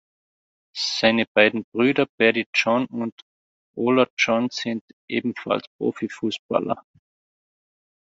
Seine beiden Brüder Paddy John und Ola John sind ebenfalls Profi-Fußballer.